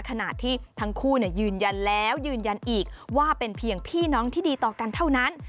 ขณะที่ทั้งคู่ยืนยันแล้วยืนยันอีกว่าเป็นเพียงพี่น้องที่ดีต่อกันเท่านั้น